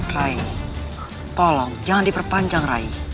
rai tolong jangan diperpanjang rai